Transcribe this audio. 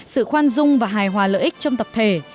sự khoan dung và hài hòa lợi ích trong tập thể